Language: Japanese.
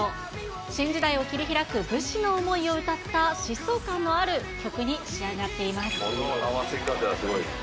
新時代を切り開く武士の思いを歌った、疾走感のある曲に仕上がっこの合わせ方はすごいね。